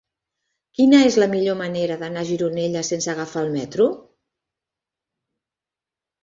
Quina és la millor manera d'anar a Gironella sense agafar el metro?